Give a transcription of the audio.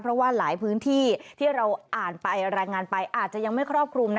เพราะว่าหลายพื้นที่ที่เราอ่านไปรายงานไปอาจจะยังไม่ครอบคลุม